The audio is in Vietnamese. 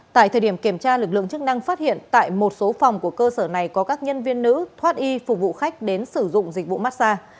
tại thời điểm kiểm tra lực lượng chức năng phát hiện tại một số phòng của cơ sở này có các nhân viên nữ thoát y phục vụ khách đến sử dụng dịch vụ massage